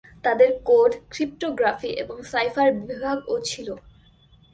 তাদের code, cryptography এবং cipher বিভাগও ছিল।